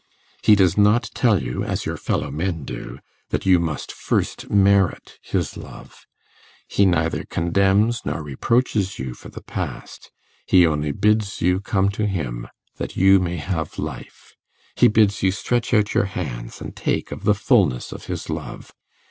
He does not tell you, as your fellow men do, that you must first merit his love; he neither condemns nor reproaches you for the past, he only bids you come to him that you may have life: he bids you stretch out your hands, and take of the fulness of his love.